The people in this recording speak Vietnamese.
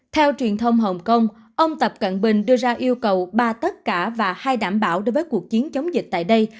theo truyền thông hồng kông ông tập cận bình đưa ra yêu cầu ba tất cả và hai đảm bảo đối với cuộc chiến chống dịch tại đây